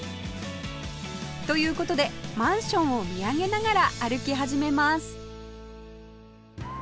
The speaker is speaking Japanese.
という事でマンションを見上げながら歩き始めます